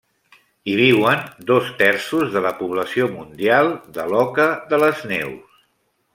Hi viuen dos terços de la població mundial de l'oca de les neus.